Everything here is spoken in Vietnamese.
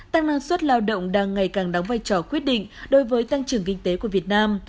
tăng năng suất lao động đang ngày càng đóng vai trò quyết định đối với tăng trưởng kinh tế của việt nam